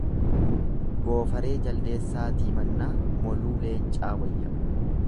Goofaree jaldeessaatii mannaa, moluu leencaa wayya.